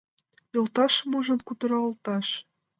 Йолташым ужын, кутыралташ